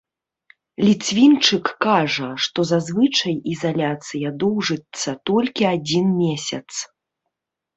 Ліцвінчык кажа, што зазвычай ізаляцыя доўжыцца толькі адзін месяц.